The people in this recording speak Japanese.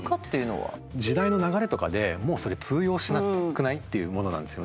時代の流れとかでもうそれ通用しなくない？っていうものなんですよね。